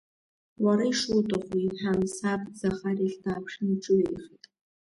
Уара ишуҭаху, — иҳәан саб, Захар иахь дааԥшын иҿыҩаихеит.